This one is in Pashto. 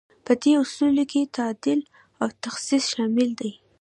په دې اصولو کې تعادل او تخصص شامل دي.